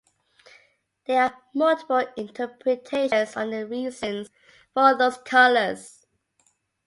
There are multiple interpretations on the reasons for those colors.